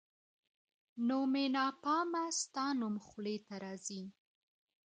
نو مي ناپامه ستا نوم خولې ته راځــــــــي